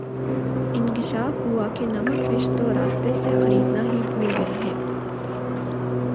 انکشاف ہوا کہ نمک مرچ تو راستے سے خریدنا ہی بھول گئے ہیں